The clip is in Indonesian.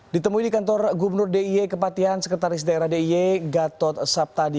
ditemui di kantor gubernur d i e kepatian sekretaris daerah d i e gatot sabtadi